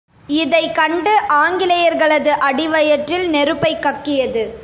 இதைக் கண்டு ஆங்கிலேயர்களது அடிவயிற்றில் நெருப்பைக் கக்கியது.